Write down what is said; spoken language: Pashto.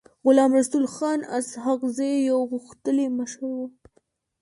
غلام رسول خان اسحق زی يو غښتلی مشر و.